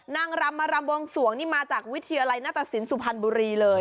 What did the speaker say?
นางรำมารำวงสวงนี่มาจากวิทยาลัยหน้าตสินสุพรรณบุรีเลย